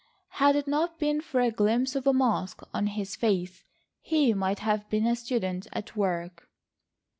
Had it not been for a glimpse of a mask on his face, he might have been a student at work.